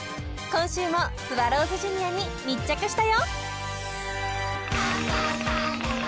［今週もスワローズジュニアに密着したよ］